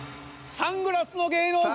「サングラスの芸能人」。